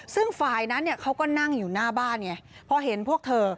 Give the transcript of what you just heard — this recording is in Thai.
ซึ่งฝ่ายนั้นเขาก็นั่งอยู่หน้าบ้านไงพอเห็นพวกเธอ